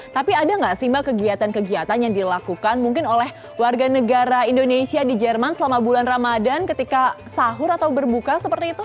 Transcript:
tapi ada nggak sih mbak kegiatan kegiatan yang dilakukan mungkin oleh warga negara indonesia di jerman selama bulan ramadan ketika sahur atau berbuka seperti itu